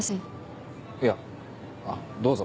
いやどうぞ。